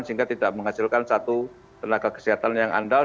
sehingga tidak menghasilkan satu tenaga kesehatan yang andal